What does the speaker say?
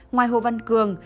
ngoài hồ văn cường